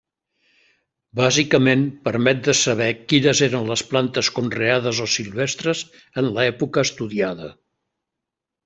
Bàsicament permet de saber quines eren les plantes conreades o silvestres en l'època estudiada.